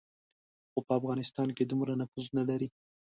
خو په افغانستان کې دومره نفوذ نه لري.